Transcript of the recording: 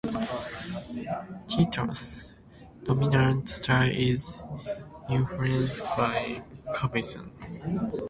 Keyt's dominant style is influenced by cubism.